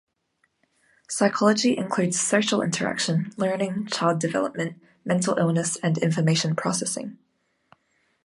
Psychology includes social interaction, learning, child development, mental illness and information processing.